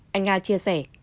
anh a chia sẻ